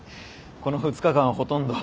この２日間ほとんど。